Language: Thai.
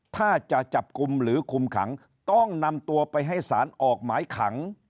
ถ้าจะจับกลุ่มหรือคุมขังต้องนำตัวไปให้สารออกหมายขัง